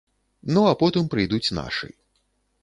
Ну а потым прыйдуць нашы.